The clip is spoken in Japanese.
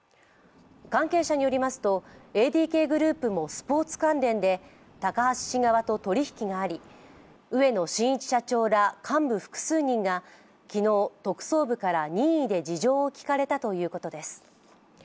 関係者によりますと、ＡＤＫグループもスポーツ関連で、高橋氏側と取り引きがあり、植野伸一社長ら幹部複数人が昨日、特捜部から任意で事情を聴かれたということです。